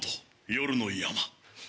「夜の山」。